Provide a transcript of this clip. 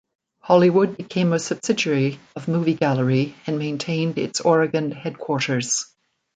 Hollywood became a subsidiary of Movie Gallery and maintained its Oregon headquarters.